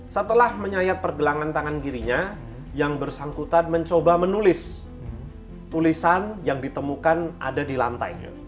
setelah menyayat pergelangan tangan kirinya yang bersangkutan mencoba menulis tulisan yang ditemukan ada di lantainya